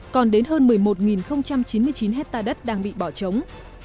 còn đến hơn một mươi một chín mươi chín hectare đất đang bị bỏ trống